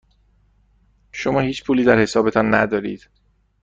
شما هیچ پولی در حسابتان ندارید.